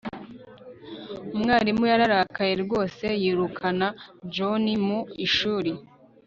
umwarimu yararakaye rwose yirukana johnny mu ishuri